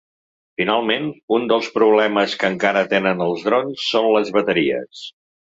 Finalment, un dels problemes que encara tenen els drons són les bateries.